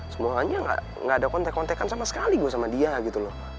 semuanya gak ada kontek kontekan sama sekali gue sama dia gitu loh